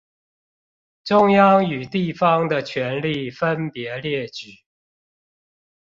中央與地方的權力分別列舉